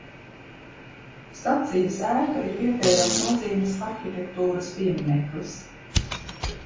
Stacijas ēka ir vietējās nozīmes arhitektūras piemineklis.